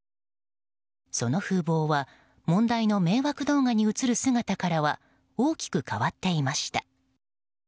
その風貌は、問題の迷惑動画に映る姿からは大きく変わっていました。